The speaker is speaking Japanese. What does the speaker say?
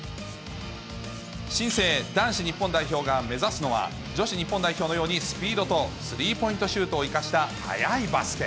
新生男子日本代表が目指すのは、女子日本代表のように、スピードとスリーポイントシュートを生かした速いバスケ。